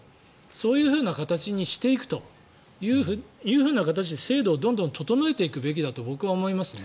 そういうふうな形にしていくというふうな形で制度をどんどん整えていくべきだと僕は思いますね。